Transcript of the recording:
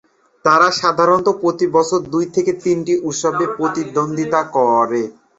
তারা সাধারণত প্রতি বছর দুই থেকে তিনটি উৎসবে প্রতিদ্বন্দ্বিতা করে।